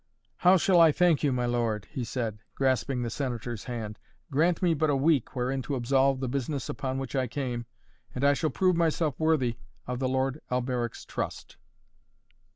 "How shall I thank you, my lord!" he said, grasping the Senator's hand. "Grant me but a week, wherein to absolve the business upon which I came and I shall prove myself worthy of the lord Alberic's trust!"